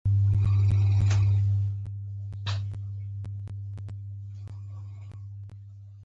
د غوښتنې په زیاتېدو سره وړاندېکونه هم زیاتېږي.